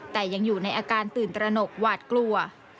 แต่ยังอยู่ในอาการตื่นตระหนกหวาดกลัว